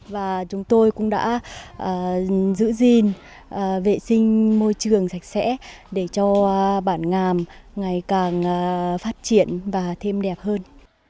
và chúng tôi cũng đã giữ gìn vệ sinh môi trường sạch sẽ để cho bản ngàm ngày càng phát triển và thêm đẹp hơn